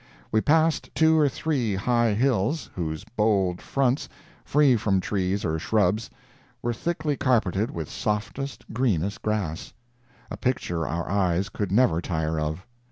We passed two or three high hills, whose bold fronts, free from trees or shrubs, were thickly carpeted with softest, greenest grass—a picture our eyes could never tire of.